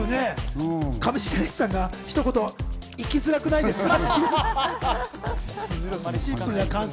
上白石さんがひと言、生きづらくないですか？